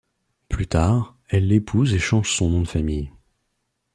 Plus tard, elle l'épouse et change son nom de famille.